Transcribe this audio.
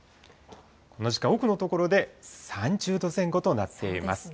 この時間、多くの所で３０度前後となっています。